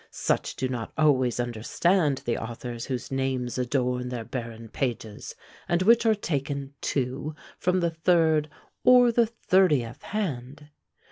Such do not always understand the authors whose names adorn their barren pages, and which are taken, too, from the third or the thirtieth hand.